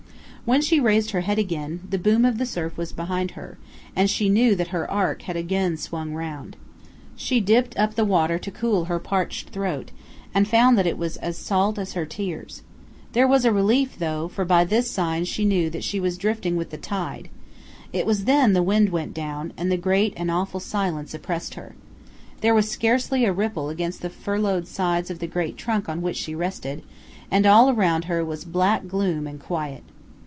When she raised her head again, the boom of the surf was behind her, and she knew that her ark had again swung round. She dipped up the water to cool her parched throat, and found that it was salt as her tears. There was a relief, though, for by this sign she knew that she was drifting with the tide. It was then the wind went down, and the great and awful silence oppressed her. There was scarcely a ripple against the furrowed sides of the great trunk on which she rested, and around her all was black gloom and quiet.